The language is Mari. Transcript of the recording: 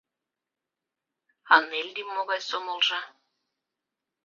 А Неллим могай сомылжо?